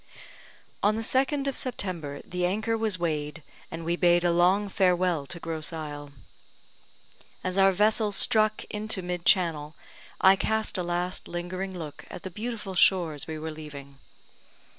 On the 2nd of September, the anchor was weighed, and we bade a long farewell to Grosse Isle. As our vessel struck into mid channel, I cast a last lingering look at the beautiful shores we were leaving.